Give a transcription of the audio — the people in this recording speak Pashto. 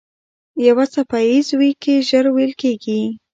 یو څپه ایز ويیکی ژر وېل کېږي.